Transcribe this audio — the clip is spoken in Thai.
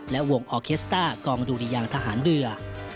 และวงออเคสต้ากองดุริยางทหารเรือ